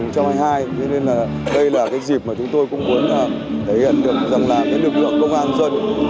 thế nên là đây là cái dịp mà chúng tôi cũng muốn thể hiện được rằng là lực lượng công an dân